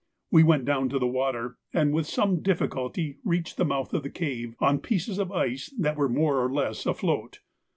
We went down to the water, and with some difficulty reached the mouth of the cave on pieces of ice that were more or less afloat.